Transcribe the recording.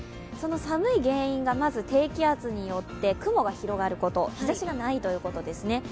その寒い原因がまず低気圧によって雲が広がること、日ざしがないということですね。